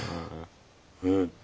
うん。